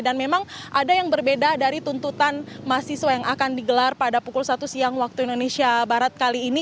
dan memang ada yang berbeda dari tuntutan mahasiswa yang akan digelar pada pukul satu siang waktu indonesia barat kali ini